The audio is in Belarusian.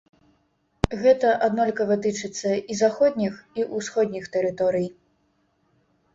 Гэта аднолькава тычыцца і заходніх, і ўсходніх тэрыторый.